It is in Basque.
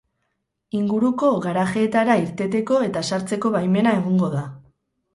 Inguruko garajeetara irteteko eta sartzeko baimena egongo da.